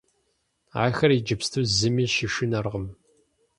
Ахэр иджыпсту зыми щышынэркъым.